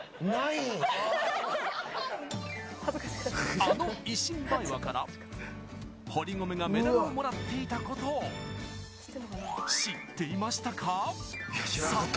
あのイシンバエワから堀米がメダルをもらっていたことを知っていましたか？